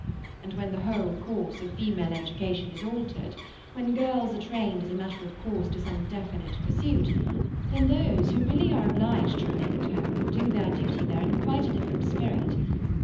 And when the whole course of female education is altered; when girls are trained as a matter of course to some definite pursuit; then those who really are obliged to remain at home will do their duty there in quite a different spirit.